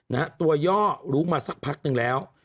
นะฮะตัวย่อรู้มาสักพักหนึ่งแล้ว